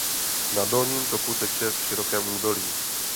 Na dolním toku teče v širokém údolí.